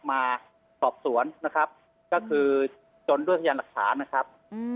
มาสอบสวนนะครับก็คือจนด้วยพยานหลักฐานนะครับ